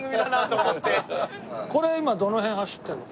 これ今どの辺走ってるの？